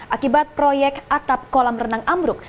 akibat proyek atap kolam renang ambruk